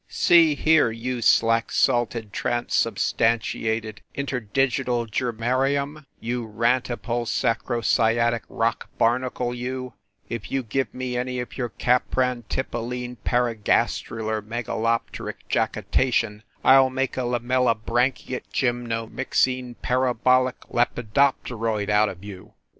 "See here, you slack salted transubstantiated in terdigital germarium, you rantipole sacrosciatic rock barnacle you, if you give me any of your cap rantipolene paragastrular megalopteric jacitation, I ll make a lamellibranchiate gymnomixine parabolic lepidopteroid out of you